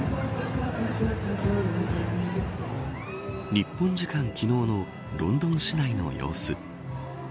日本時間昨日のロンドン市内の様子。